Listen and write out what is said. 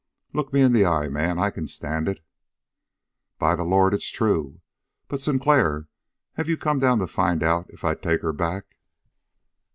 "Look me in the eye, man! I can stand it." "By the Lord, it's true! But, Sinclair, have you come down to find out if I'd take her back?"